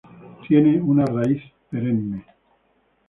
Tiene una raíz perenne.